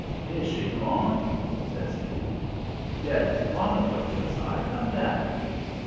"'Is she gone?' says he. "'Yes, long ago,' says I. 'Come down.'